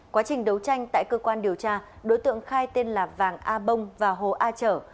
quá trình đấu tranh tại cơ quan điều tra đối tượng khai tên là vàng a bông và hồ a trở